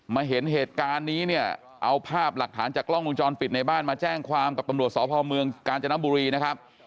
เห็นเหตุการณ์นี้เนี่ยเอาภาพหลักฐานจากกล้องวงจรปิดในบ้านมาแจ้งความกับตำรวจสพเมืองกาญจนบุรีนะครับ